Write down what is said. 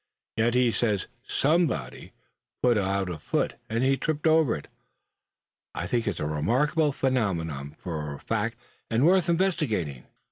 Yet he says somebody put out a foot, and he tripped over it. I think it a remarkable phenomenon, for a fact, and worth investigating."